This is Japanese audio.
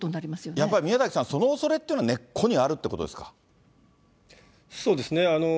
やっぱり宮崎さん、そのおそれというのは、根っこにあるってそうですね。